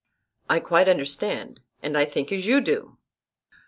I quite understand, and I think as you do.